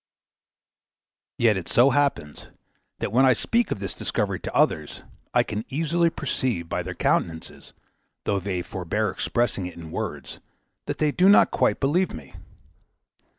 Yet it so happens, that when I speak of this discovery to others, I can easily perceive by their countenances, though they forbear expressing it in words, that they do not quite believe me.